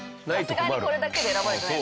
さすがにこれだけで選ばれてない。